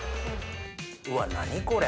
うわ何これ。